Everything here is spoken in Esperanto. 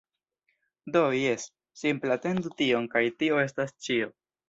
Do, jes... simple atendu tion kaj tio estas ĉio